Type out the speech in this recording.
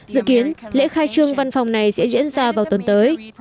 dự kiến lễ khai trương văn phòng này sẽ diễn ra vào tuần tới